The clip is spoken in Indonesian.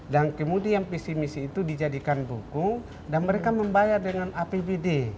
kemudian visi misi itu dijadikan buku dan mereka membayar dengan apbd